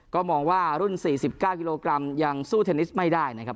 ก็มองว่ารุ่น๔๙กิโลกรัมยังสู้เทนนิสไม่ได้นะครับ